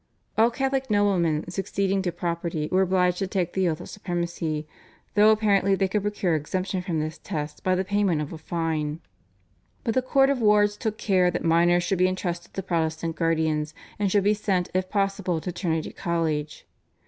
All Catholic noblemen succeeding to property were obliged to take the oath of supremacy, though apparently they could procure exemption from this test by the payment of a fine, but the Court of Wards took care that minors should be entrusted to Protestant guardians, and should be sent if possible to Trinity College.